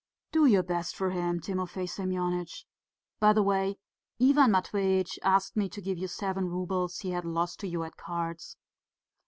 "Do your best for him, Timofey Semyonitch. By the way, Ivan Matveitch asked me to give you seven roubles he had lost to you at cards."